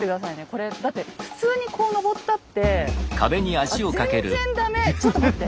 これだって普通にこう登ったってあっちょっと待って。